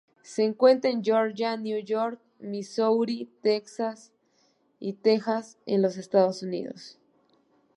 Se encuentra en Georgia, New York, Missouri, Texas y Texas en los Estados Unidos.